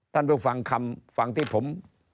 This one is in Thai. ไปฟังคำฟังที่ผม